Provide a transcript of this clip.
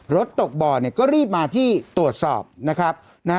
รถตกบ่อเนี่ยก็รีบมาที่ตรวจสอบนะครับนะฮะ